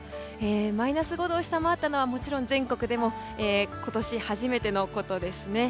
マイナス５度を下回ったのはもちろん全国でも今年初めてのことですね。